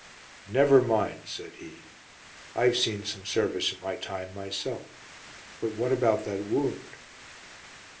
"Never mind," said he; "I've seen some service in my time, myself. But what about that wound?"